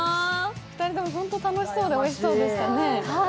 ２人とも本当に楽しそうでおいしそうでしたね。